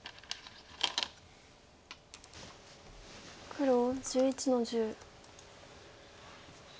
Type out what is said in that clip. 黒１１の十。